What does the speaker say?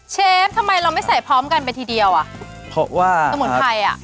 เชฟทำไมเราไม่ใส่พร้อมกันไปทีเดียวอ่ะเพราะว่าสมุนไพรอ่ะ